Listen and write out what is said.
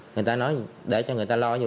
người ta nói để cho người ta đi